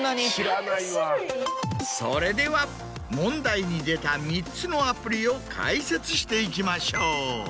それでは問題に出た３つのアプリを解説していきましょう。